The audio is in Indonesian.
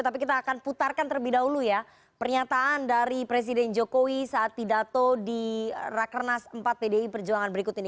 tapi kita akan putarkan terlebih dahulu ya pernyataan dari presiden jokowi saat pidato di rakernas empat pdi perjuangan berikut ini